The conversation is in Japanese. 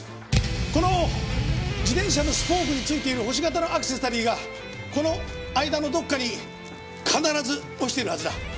この自転車のスポークについている星形のアクセサリーがこの間のどこかに必ず落ちているはずだ。